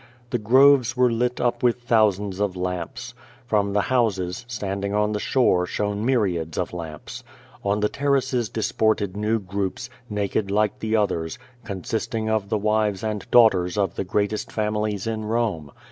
The groves were lit up with thousands of lamps. From the houses standing on the shore shone myriads of lamps. On the terraces disported new grou])s, naked like the others, consisting of the wives and daughters of the greatest families iii Rome.